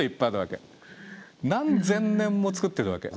何千年も作ってるわけ。